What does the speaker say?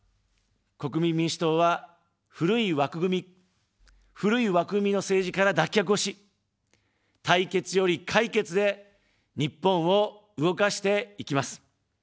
国民民主党は、古い枠組み、古い枠組みの政治から脱却をし、対決より解決で日本を動かしていきます。